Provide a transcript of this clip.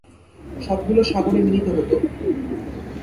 সবগুলো সাগরে মিলিত হতো।